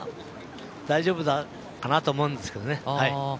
大丈夫かなと思うんですけどね。